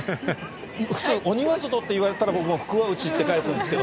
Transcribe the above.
普通、鬼は外！って言われたら、僕も福は内って返すんですけど。